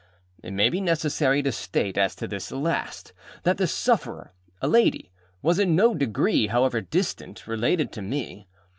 It may be necessary to state as to this last, that the sufferer (a lady) was in no degree, however distant, related to me.